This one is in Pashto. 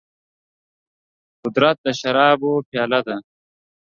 قدرت د شرابو پياله ده.